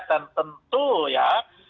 dan tentu ya